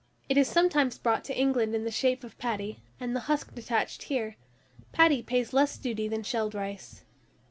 It is sometimes brought to England in the shape of paddy, and the husk detached here. Paddy pays less duty than shelled rice.